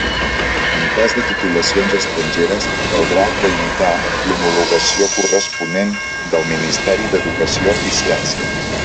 En cas de titulacions estrangeres, caldrà acreditar l'homologació corresponent del Ministeri d'Educació i Ciència.